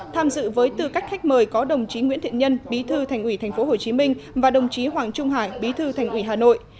tham dự với tư cách khách mời có đồng chí nguyễn thiện nhân bí thư thành ủy tp hcm và đồng chí hoàng trung hải bí thư thành ủy hà nội